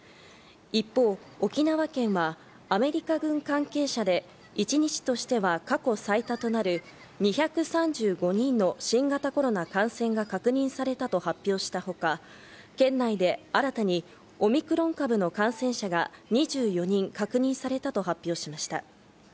一方、沖縄県はアメリカ軍関係者で、一日としては過去最多となる２３５人の新型コロナ感染が確認されたと発表したほか、県内で新たにオミクロン株の感染者が２４人確認されたと発表しました。